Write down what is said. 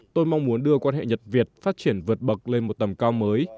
tôi mong muốn đưa quan hệ nhật việt phát triển vượt bậc lên một tầm cao mới